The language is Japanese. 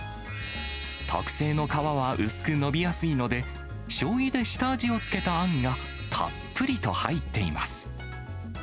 特製の皮は薄くのびやすいので、しょうゆで下味をつけたあんが、たっぷりと入っています。